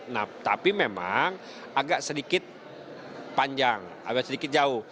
nah tapi memang agak sedikit panjang agak sedikit jauh